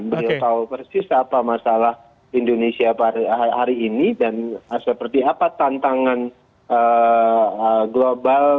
beliau tahu persis apa masalah indonesia hari ini dan seperti apa tantangan global